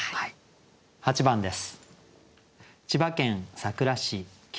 ８番です。